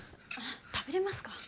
食べれますか？